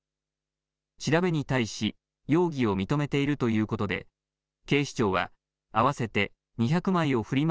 調べに対し容疑を認めているということで警視庁は合わせて２００枚をフリマ